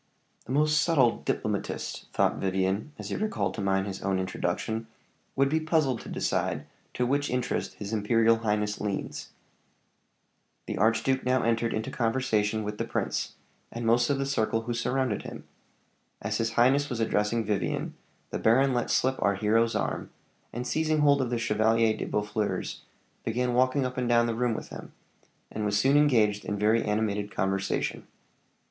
"The most subtle diplomatist," thought Vivian, as he recalled to mind his own introduction, "would be puzzled to decide to which interest his imperial highness leans." The archduke now entered into conversation with the prince, and most of the circle who surrounded him. As his highness was addressing Vivian, the baron let slip our hero's arm, and seizing hold of the Chevalier de Boeffleurs, began walking up and down the room with him, and was soon engaged in very animated conversation.